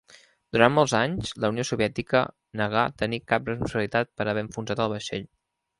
Durant molts anys, la Unió Soviètica negà tenir cap responsabilitat per haver enfonsat el vaixell.